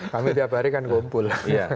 kami tiap hari kan kumpul